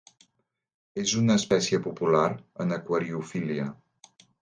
És una espècie popular en aquariofília.